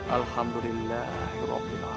alhamdulillah ya allah